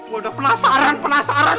gue udah penasaran penasaran